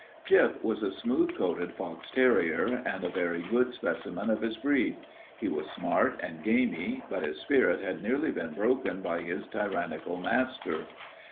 Gyp was a smooth coated fox terrier and a very good specimen of his breed. He was smart and gamey, but his spirit had nearly been broken by his tyrannical master.